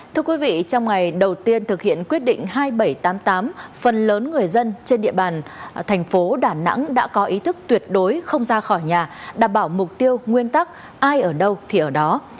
thưa quý vị trong ngày đầu tiên thực hiện quyết định hai nghìn bảy trăm tám mươi tám phần lớn người dân trên địa bàn thành phố đà nẵng đã có ý thức tuyệt đối không ra khỏi nhà đảm bảo mục tiêu nguyên tắc ai ở đâu thì ở đó